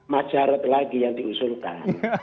mas jarod lagi yang diusulkan